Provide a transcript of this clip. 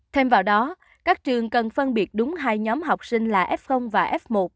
thêm vào đó các trường cần phân biệt đúng hai nhóm học sinh là f và f một